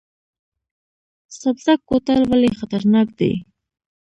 سبزک کوتل ولې خطرناک دی؟